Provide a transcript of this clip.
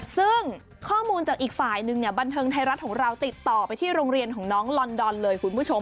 ซึ่งข้อมูลจากอีกฝ่ายนึงเนี่ยบันเทิงไทยรัฐของเราติดต่อไปที่โรงเรียนของน้องลอนดอนเลยคุณผู้ชม